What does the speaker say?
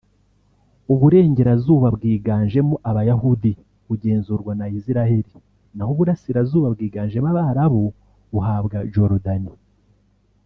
uburengerazuba bwiganjemo Abayahudi bugenzurwa na Israel naho uburasirazuba bwiganjemo Abarabu buhabwa Jordan